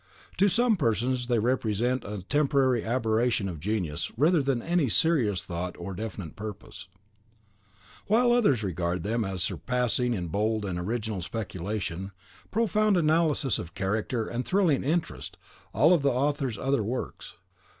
To some persons they represent a temporary aberration of genius rather than any serious thought or definite purpose; while others regard them as surpassing in bold and original speculation, profound analysis of character, and thrilling interest, all of the author's other works.